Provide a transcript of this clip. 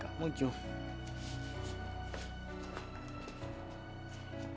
dalam tuan saya jubinten